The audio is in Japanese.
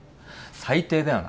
最低だよ